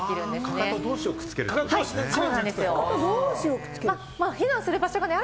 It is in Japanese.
かかと同士をくっつけるんですね。